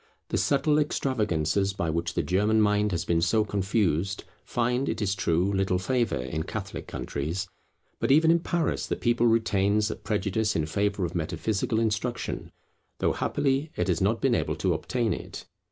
The subtle extravagances by which the German mind has been so confused, find, it is true, little favour in Catholic countries. But even in Paris the people retains a prejudice in favour of metaphysical instruction, though happily it has not been able to obtain it.